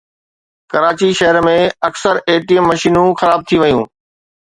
ڪراچي شهر ۾ اڪثر A T M مشينون خراب ٿي ويون